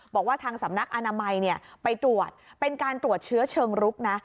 บอกว่าทางสำนักอนามัยไปตรวจเป็นการตรวจเชื้อเชิงรุกนะ